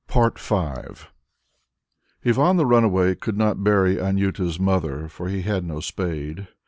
V Ivan the Runaway could not bury Anjuta's mother, for he had no spade.